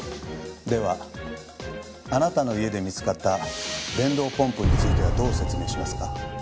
ではあなたの家で見つかった電動ポンプについてはどう説明しますか？